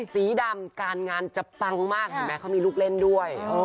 สีดำการงานจะปังมากเห็นไหมเขามีลูกเล่นด้วย